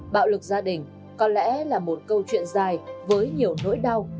bạo lực gia đình có lẽ là một câu chuyện dài với nhiều nỗi đau